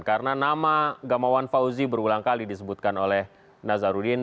karena nama gamawan fauzi berulang kali disebutkan oleh nazarudin